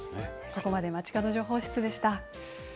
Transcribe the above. ここまでまちかど情報室でした。